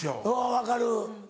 分かる。